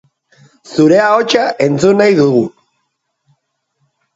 Zure ahotsa entzun nahi dugu.